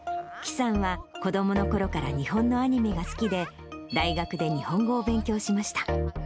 祁さんは子どものころから日本のアニメが好きで、大学で日本語を勉強しました。